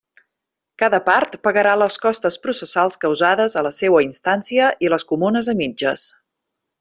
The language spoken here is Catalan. Cada part pagarà les costes processals causades a la seua instància i les comunes a mitges.